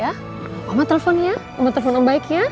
ya oma telepon ya oma telepon om baik ya